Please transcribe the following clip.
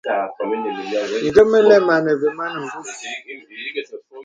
Nge mə lə̀m āne və mān mbūs.